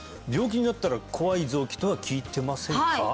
病気になったら怖い臓器とは聞いてませんか？